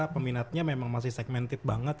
peminatnya memang masih segmented banget